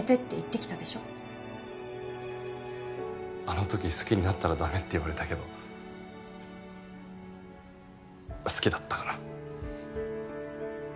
あの時好きになったら駄目って言われたけど好きだったから。